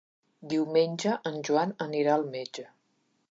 Diumenge en Joan anirà al metge.